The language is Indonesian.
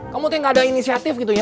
kamu tuh gak ada inisiatif gitu ya